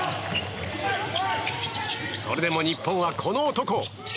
それでも日本は、この男。